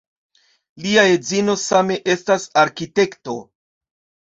Lia edzino same estas arkitekto.